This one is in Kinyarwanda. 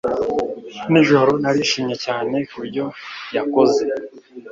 Nijoro narishimye cyane ku byo yakoze